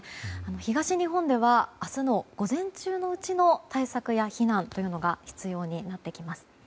東日本では明日の午前中のうちの対策や避難が必要になってきます。